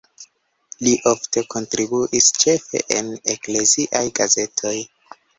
Li ofte kontribuis ĉefe en ekleziaj gazetoj.